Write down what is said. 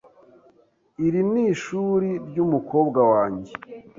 Iri ni ishuri ryumukobwa wanjye .